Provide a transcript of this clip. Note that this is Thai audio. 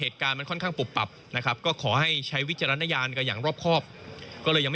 ถูกต้อง